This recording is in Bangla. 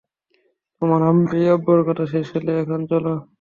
তোমার আম্মি আব্বার কথা শেষ হলে এখন চলো?